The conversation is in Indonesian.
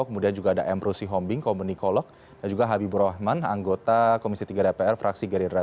kemudian juga ada emru sihombing komunikolog dan juga habibur rahman anggota komisi tiga dpr fraksi gerindra